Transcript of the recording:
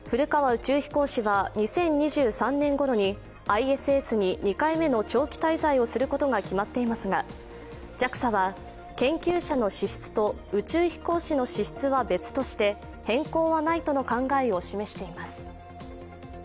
宇宙飛行士は、２０２３年ごろにＩＳＳに２回目の長期滞在をすることが決まっていますがＪＡＸＡは、研究者の資質と宇宙飛行士の資質は別として変更はないとの考えを示しています。